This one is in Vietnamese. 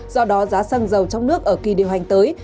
do đó giá xăng dầu trong nước ở kỳ điều hành tới